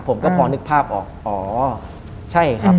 ผมก็พอนึกภาพออกอ๋อใช่ครับ